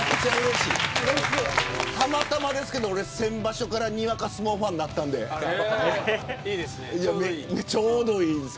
たまたまですけど俺、先場所からにわか相撲ファンになったんでちょうどいいんです。